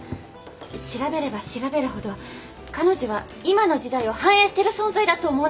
調べれば調べるほど彼女は今の時代を反映してる存在だと思うんですよ。